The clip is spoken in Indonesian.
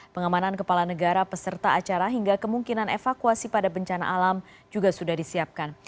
pengamanan kepala negara peserta acara hingga kemungkinan evakuasi pada bencana alam juga sudah disiapkan